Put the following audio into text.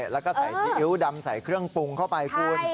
แล้วก็ใส่ซีอิ๊วดำใส่เครื่องปรุงเข้าไปคุณ